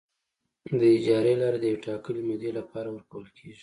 اجارې له لارې د یوې ټاکلې مودې لپاره ورکول کیږي.